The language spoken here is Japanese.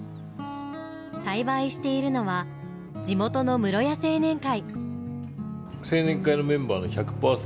栽培しているのは地元の室谷青年会。